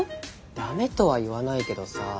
ダメとは言わないけどさ。